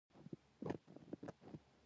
لاپه هسکوسردروکی، افغانی زمری غوریږی